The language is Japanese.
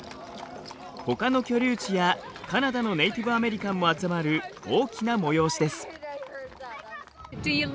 ほかの居留地やカナダのネイティブアメリカンも集まる大きな催しです。